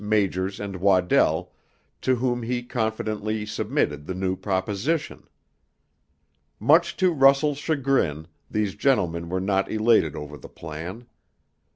Majors and Waddell, to whom he confidently submitted the new proposition. Much to Russell's chagrin, these gentlemen were not elated over the plan.